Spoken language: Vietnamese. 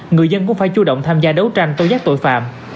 người dân cũng phải chú động tham gia đấu tranh tối giác tội phạm